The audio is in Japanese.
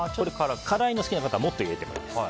辛いの好きな方はもっと入れてもいいです。